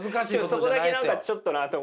そこだけ何かちょっとなあって。